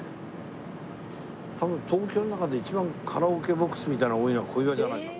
多分東京の中で一番カラオケボックスみたいのが多いのは小岩じゃないかな。